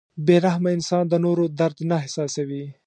• بې رحمه انسان د نورو درد نه احساسوي.